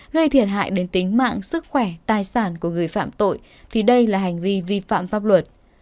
gây thiệt hại đến tính mạng sức khỏe tài sản của người phạm tội thì đây là hành vi vi phạm pháp luật